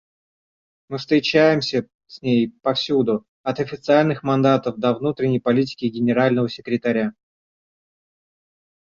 Мы встречаемся с ней повсюду: от официальных мандатов до внутренней политики Генерального секретаря.